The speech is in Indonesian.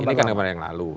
ini kan gambar yang lalu